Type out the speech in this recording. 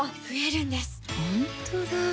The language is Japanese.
ほんとだ